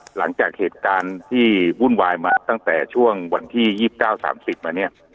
หลังจากเหตุการณ์ที่วุ่นวายมาตั้งแต่ช่วงวันที่๒๙๓๐มาเนี่ย